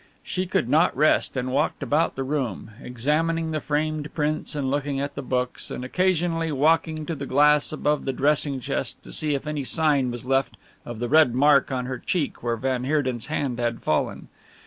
She could not rest, and walked about the room examining the framed prints and looking at the books, and occasionally walking to the glass above the dressing chest to see if any sign was left of the red mark on her cheek where van Heerden's hand had fallen.